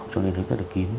cho nên nó rất là kín